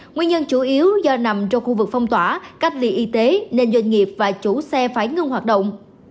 nguyên nhân chủ yếu do nằm trong khu vực phong tỏa cách ly y tế nên doanh nghiệp và chủ xe phải ngưng hoạt động